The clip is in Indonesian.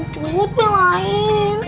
cepet yang lain